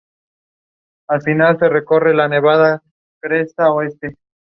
Sólo está disponible cuando se ejecuta un videojuego diseñado para el servicio.